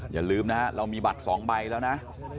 อย่าลืมนะฮะเรามีบัตร๒ใบแล้วนะ